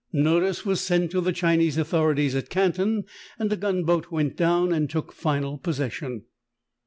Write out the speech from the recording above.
Notice was sent to the Chinese authorities at Canton and a gunboat went down and took final possession.